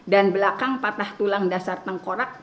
dan belakang patah tulang dasar tengkorak